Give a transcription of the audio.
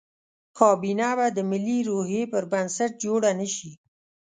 کابینه به د ملي روحیې پر بنسټ جوړه نه شي.